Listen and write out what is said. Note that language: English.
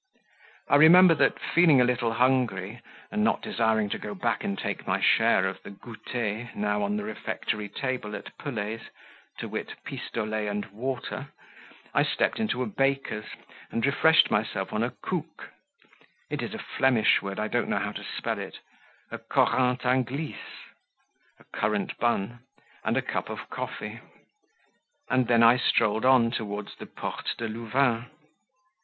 I remember that, feeling a little hungry, and not desiring to go back and take my share of the "gouter," now on the refectory table at Pelet's to wit, pistolets and water I stepped into a baker's and refreshed myself on a COUC(?) it is a Flemish word, I don't know how to spell it A CORINTHE ANGLICE, a currant bun and a cup of coffee; and then I strolled on towards the Porte de Louvain.